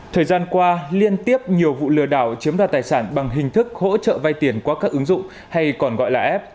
thời gian qua liên tiếp nhiều vụ lừa đảo chiếm đoạt tài sản bằng hình thức hỗ trợ vay tiền qua các ứng dụng hay còn gọi là app